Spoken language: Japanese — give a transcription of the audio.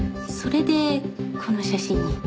それでこの写真に。